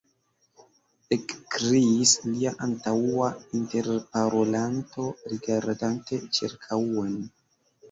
ekkriis lia antaŭa interparolanto, rigardante ĉirkaŭen.